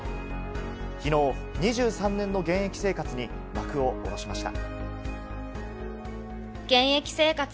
昨日、２３年の現役生活に幕を下ろしました。